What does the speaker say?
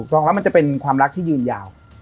ลองแล้วมันจะเป็นความรักที่ยืนยาว